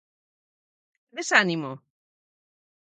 Desánimo?